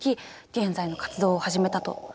現在の活動を始めたと。